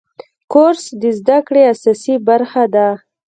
کورس د زده کړې اساسي برخه ده.